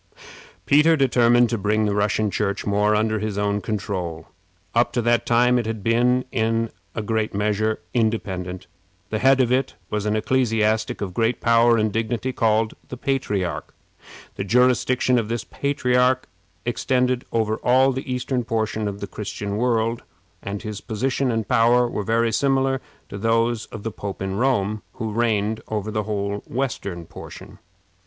Peter determined to bring the Russian Church more under his own control. Up to that time it had been, in a great measure, independent. The head of it was an ecclesiastic of great power and dignity, called the Patriarch. The jurisdiction of this patriarch extended over all the eastern portion of the Christian world, and his position and power were very similar to those of the Pope of Rome, who reigned over the whole western portion.